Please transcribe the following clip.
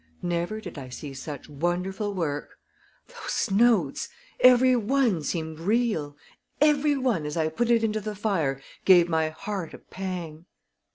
Never did I see such wonderful work! Those notes every one seemed real! Every one, as I put it into the fire, gave my heart a pang.